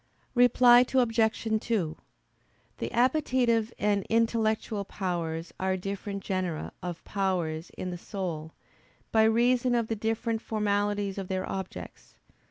Reply Obj. 2: The appetitive and intellectual powers are different genera of powers in the soul, by reason of the different formalities of their objects.